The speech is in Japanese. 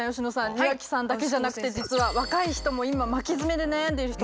庭木さんだけじゃなくて実は若い人も今巻きヅメで悩んでる人